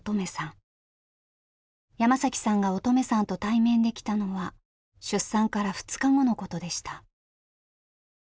山さんが音十愛さんと対面できたのは出産から２日後のことでした。